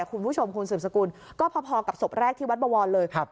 คุณผู้ชมคุณศูนย์สกุลก็พอกับศพแรกที่วัดเบาวรเลย